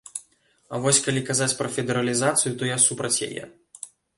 А вось калі казаць пра федэралізацыю, то я супраць яе.